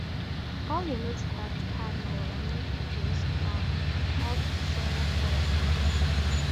All units have panoramic views of Singapore.